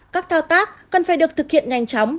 các thao tác cần phải được thực hiện nhanh chóng